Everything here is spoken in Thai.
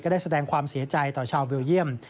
ได้แสดงความเสียใจต่อชาวเบลเยี่ยม